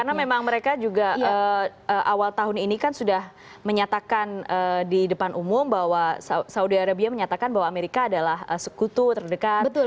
karena memang mereka juga awal tahun ini kan sudah menyatakan di depan umum bahwa saudi arabia menyatakan bahwa amerika adalah sekutu terdekat saudi arabia gitu kan